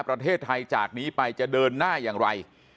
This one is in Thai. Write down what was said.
ประเทศไทยจากนี้ไปจะเดินหน้าอย่างไร